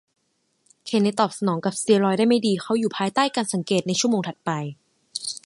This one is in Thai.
เคนเนธตอบสนองกับสเตียรอยด์ได้ไม่ดี เขาอยู่ภายใต้การสังเกตในชั่วโมงถัดไป